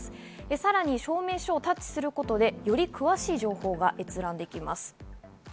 さらに証明書をタッチすることでより詳しい情報が閲覧できます。